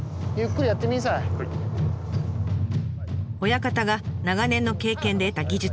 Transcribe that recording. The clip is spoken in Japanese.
親方が長年の経験で得た技術。